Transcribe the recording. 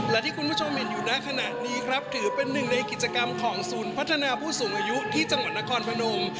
และที่คุณผู้ชมเห็นอยู่หน้าขณะนี้ครับถือเป็นหนึ่งในกิจกรรมของศูนย์พัฒนาผู้สูงอายุที่จังหวัดนครพนม